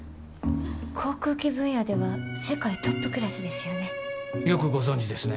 航空機分野では世界トップクラスですよね。よくご存じですね。